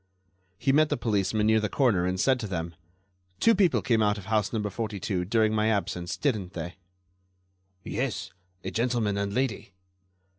He met the policemen near the corner and said to them: "Two people came out of house No. 42 during my absence, didn't they?" "Yes; a gentleman and lady."